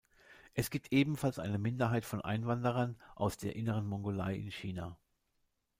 Es gibt ebenfalls eine Minderheit von Einwanderern aus der Inneren Mongolei in China.